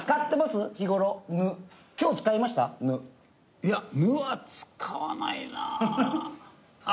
いや「ぬ」は使わないなあ。